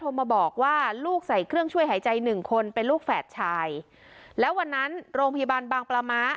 มาบอกว่าลูกใส่เครื่องช่วยหายใจหนึ่งคนเป็นลูกแฝดชายแล้ววันนั้นโรงพยาบาลบางปลาม้า